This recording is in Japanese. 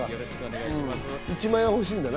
１万円は欲しいんだな。